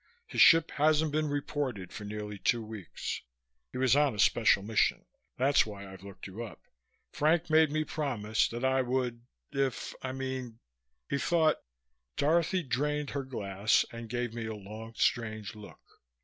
"His ship hasn't been reported for nearly two weeks. He was on a special mission. That's why I've looked you up. Frank made me promise that I would if I mean he thought " Dorothy drained her glass and gave me a long, strange look.